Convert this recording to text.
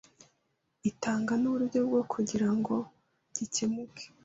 itanga n’uburyo bwo kugira ngo gikemuke